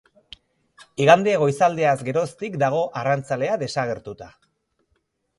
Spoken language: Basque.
Igande goizaldeaz geroztik dago arrantzalea desagertuta.